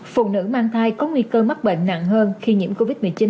phụ nữ mang thai có nguy cơ mắc bệnh nặng hơn khi nhiễm covid một mươi chín